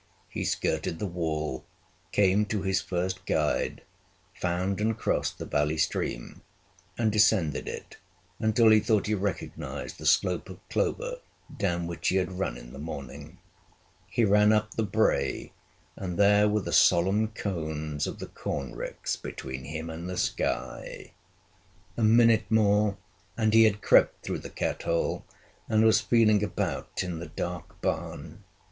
He skirted the wall, came to his first guide, found and crossed the valley stream, and descended it until he thought he recognized the slope of clover down which he had run in the morning. He ran up the brae, and there were the solemn cones of the corn ricks between him and the sky! A minute more and he had crept through the cat hole, and was feeling about in the dark barn.